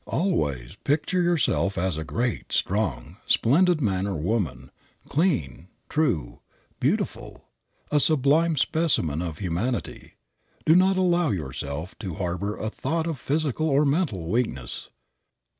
Always picture yourself as a great, strong, splendid man or woman, clean, true, beautiful a sublime specimen of humanity. Do not allow yourself to harbor a thought of physical or mental weakness.